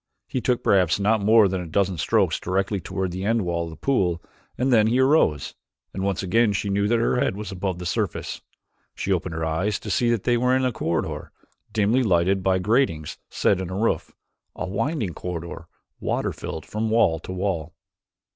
He took perhaps not more than a dozen strokes directly toward the end wall of the pool and then he arose; and once again she knew that her head was above the surface. She opened her eyes to see that they were in a corridor dimly lighted by gratings set in its roof a winding corridor, water filled from wall to wall.